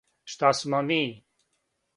Шта смо ми?